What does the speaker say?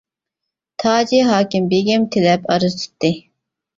تاجى ھاكىم بېگىم تىلەپ ئەرز تۇتتى.